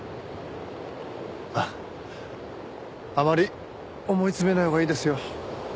あっあまり思い詰めないほうがいいですよ。